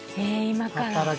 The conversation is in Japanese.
今から？